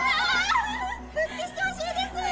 復帰してほしいです！